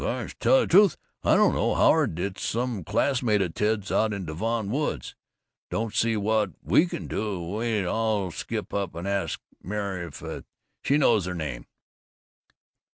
"Why, gosh, tell the truth, I don't know, Howard. It's some classmate of Ted's, out in Devon Woods. Don't see what we can do. Wait, I'll skip up and ask Myra if she knows their name."